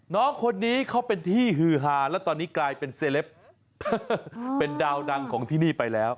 น้องคนนี้เขาเป็นที่ฮือฮาแล้วตอนนี้กลายเป็นเซลปเป็นดาวดังของที่นี่ไปแล้ว